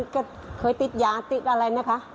ก็เคยติดยาติดอะไรนะคะ